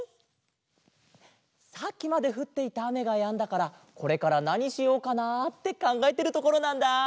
さっきまでふっていたあめがやんだからこれからなにしようかなあってかんがえてるところなんだあ。